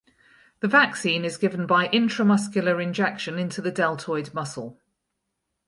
The vaccine is given by intramuscular injection into the deltoid muscle.